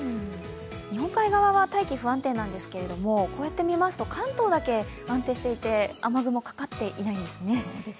日本海側は大気、不安定なんですけれども関東だけ安定していて雨雲がかかっていないんですね。